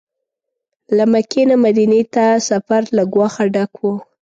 له مکې نه مدینې ته سفر له ګواښه ډک و.